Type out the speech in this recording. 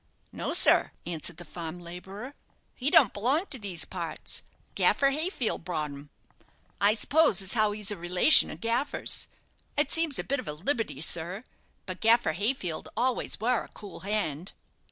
"No, sir," answered the farm labourer; "he don't belong to these parts. Gaffer Hayfield brought 'un. I suppose as how he's a relation of Gaffer's. It seems a bit of a liberty, sir; but Gaffer Hayfield always war a cool hand."